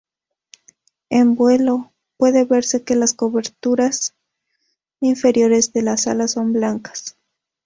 En vuelo, puede verse que las cobertoras inferiores de las alas son blancas.